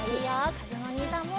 かずむおにいさんも。